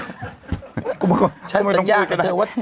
ก็ไม่ต้องพูดกันได้